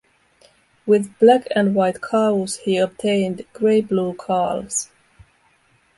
With black-and-white cows he obtained grey-blue calves.